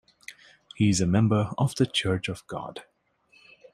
He is a member of the Church of God.